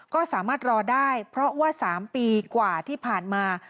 ก็สามารถรอได้เพราะว่า๓ปีกว่าที่ผ่านมา